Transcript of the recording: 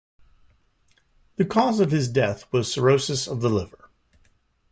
The cause of his death was cirrhosis of the liver.